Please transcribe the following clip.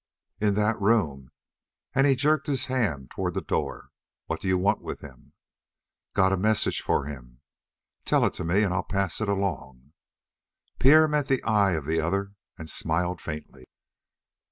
"In that room," and he jerked his hand toward a door. "What do you want with him?" "Got a message for him." "Tell it to me, and I'll pass it along." Pierre met the eye of the other and smiled faintly.